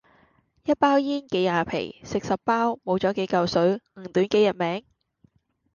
一包煙幾廿皮，食十包，冇左幾舊水，唔短幾日命?